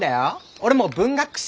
俺もう文学士。